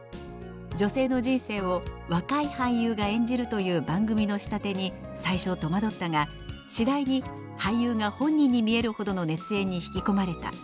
「女性の人生を若い俳優が演じるという番組の仕立てに最初戸惑ったが次第に俳優が本人に見えるほどの熱演に引き込まれた」。